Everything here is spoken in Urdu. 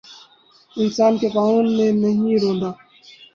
انسان کےپاؤں نے نہیں روندا